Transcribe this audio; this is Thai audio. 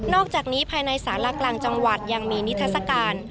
อกจากนี้ภายในสารากลางจังหวัดยังมีนิทัศกาล